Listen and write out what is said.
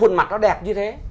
nó đẹp như thế